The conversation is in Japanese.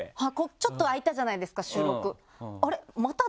ちょっと空いたじゃないですか収録。